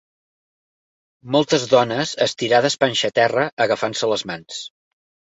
Moltes dones estirades panxa a terra agafant-se les mans